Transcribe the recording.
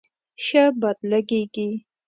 ښه باد لږیږی